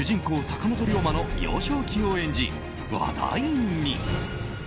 ・坂本龍馬の幼少期を演じ話題に。